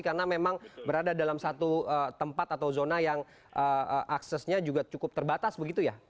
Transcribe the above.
karena memang berada dalam satu tempat atau zona yang aksesnya juga cukup terbatas begitu ya